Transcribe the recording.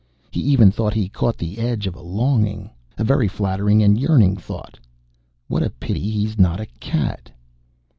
He even thought he caught the edge of a longing A very flattering and yearning thought: _What a pity he is not a cat.